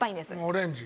オレンジ。